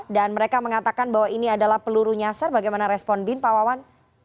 dan mereka mengatakan bahwa ini adalah peluru nyasar bagaimana respon binda pak wawan